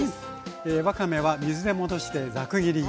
わかめは水で戻してザク切りに。